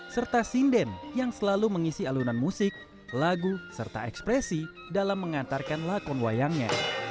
serta sinden yang selalu mengisi alunan musik lagu serta ekspresi dalam mengantarkan lakon wayangnya